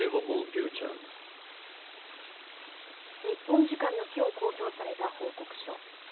日本時間のきょう公表された報告書。